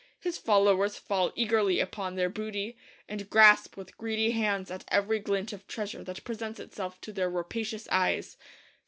His followers fall eagerly upon their booty, and grasp with greedy hands at every glint of treasure that presents itself to their rapacious eyes.